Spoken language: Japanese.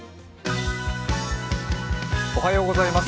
おはようございます。